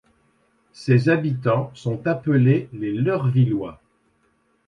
Ses habitants sont appelés les Leurvillois.